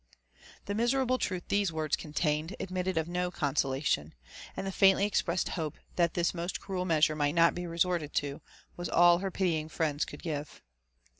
" The miserable truth these words contained admitted of no consola tion; and the faintly expressed hope that this most cruel measure might not be resorted to, was all her pitying friends could give.